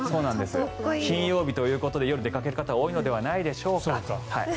金曜日ということで夜出かける方多いのではないでしょうか。